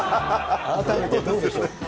改めてどうでしょう。